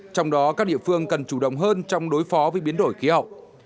trong đó các địa phương cần chủ động hơn trong đối phó với biến đổi khí hậu